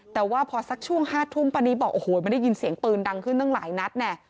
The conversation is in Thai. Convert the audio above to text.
แต่ว่าพอสักช่วง๕ทุ่มป้านิตบอกโอ้โหมันได้ยินเสียงปืนดังขึ้นตั้งหลายนัดแน่